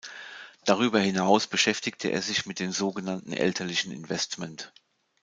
Darüber hinaus beschäftigte er sich mit dem so genannten elterlichen Investment.